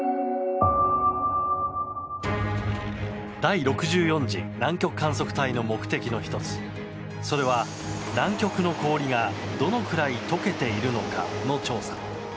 第６４次南極観測隊の目的の１つそれは、南極の氷がどれぐらい解けているのかの調査。